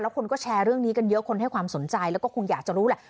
คนก็แชร์เรื่องนี้กันเยอะคนให้ความสนใจแล้วก็คงอยากจะรู้แหละ